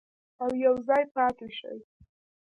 او یوځای پاتې شي.